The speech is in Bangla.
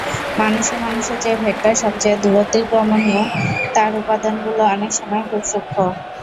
মানুষে মানুষে যে ভেদটা সব চেয়ে দুরতিক্রমণীয়, তার উপাদানগুলো অনেক সময়ে খুব সূক্ষ্ম।